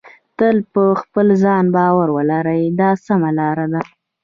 تل په خپل ځان باور ولرئ دا سمه لار ده.